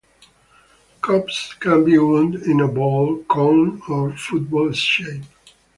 Cops can be wound in a ball, cone or football shape.